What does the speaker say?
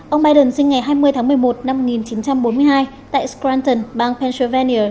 ông biden sinh ngày hai mươi tháng một mươi một năm một nghìn chín trăm bốn mươi hai tại scranton bang pencevanier